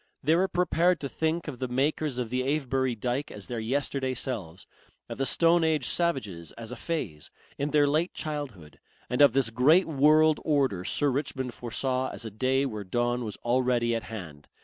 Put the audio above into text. They were prepared to think of the makers of the Avebury dyke as their yesterday selves, of the stone age savages as a phase, in their late childhood, and of this great world order Sir Richmond foresaw as a day where dawn was already at hand.